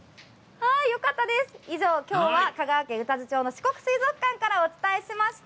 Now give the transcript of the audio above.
以上、きょうは香川県宇多津町の四国水族館からお伝えしました！